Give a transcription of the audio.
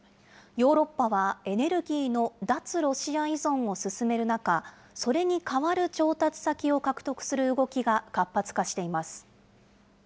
ヨーロッパはエネルギーの脱ロシア依存を進める中、それに代わる調達先を獲得する動きが活発化しています。